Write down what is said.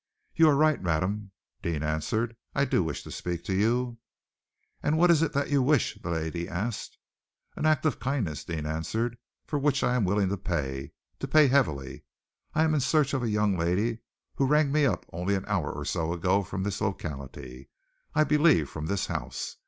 "You are right, madam," Deane answered. "I do wish to speak to you." "And what is it that you wish?" the lady asked. "An act of kindness," Deane answered, "for which I am willing to pay to pay heavily. I am in search of a young lady who rang me up only an hour or so ago from this locality, I believe from this house.